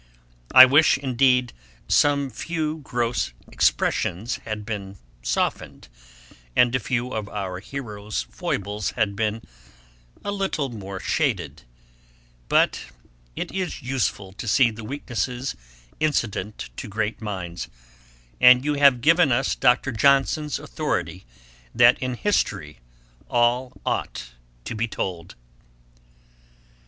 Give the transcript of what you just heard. I wish, indeed, some few gross expressions had been softened, and a few of our hero's foibles had been a little more shaded; but it is useful to see the weaknesses incident to great minds; and you have given us Dr. Johnson's authority that in history all ought to be told.'